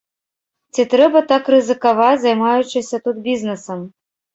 Ці трэба так рызыкаваць, займаючыся тут бізнэсам?